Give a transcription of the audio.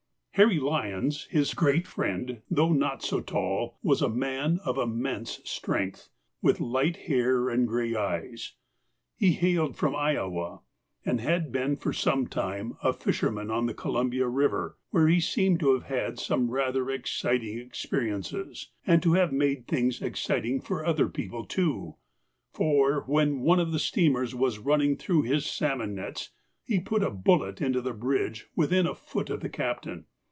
Harry Lyons, his great friend, though not so tall, was a man of immense strength, with light hair and grey eyes. He hailed from Iowa, and had been for some time a fisherman on the Columbia river, where he seemed to have had some rather exciting experiences, and to have made things exciting for other people too; for, when one of the steamers was running through his salmon nets, he put a bullet into the bridge within a foot of the captain.